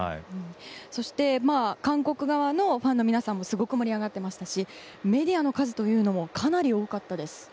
そして韓国側のファンの皆さんもすごく盛り上がっていましたしメディアの数というのもかなり多かったです。